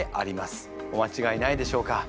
お間違えないでしょうか？